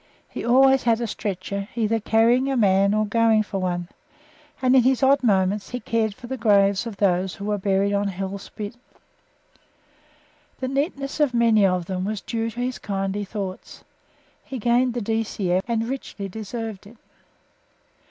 He always had a stretcher, either carrying a man or going for one, and in his odd moments he cared for the graves of those who were buried on Hell Spit. The neatness of many of them was due to his kindly thought. He gained the D.C.M., and richly deserved it.